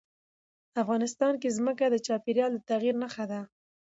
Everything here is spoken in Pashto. افغانستان کې ځمکه د چاپېریال د تغیر نښه ده.